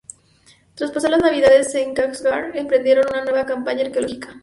Tras pasar las navidades en Kashgar, emprendieron una nueva campaña arqueológica.